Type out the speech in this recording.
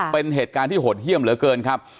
เป็นเหตุการณ์ที่โหดเยี่ยมเหลือเกินครับ